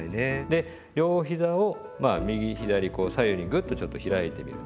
で両ひざを右左こう左右にグッとちょっと開いてみる。